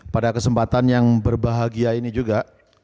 pada kesempatan yang berbahagia ini juga